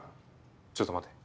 ちょっと待て。